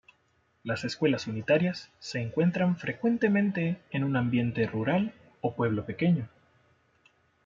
Las escuelas unitarias se encuentran frecuentemente en un ambiente rural o pueblo pequeño.